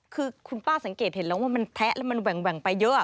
คือคุณป้าสังเกตเห็นแล้วว่ามันแทะแล้วมันแหว่งไปเยอะ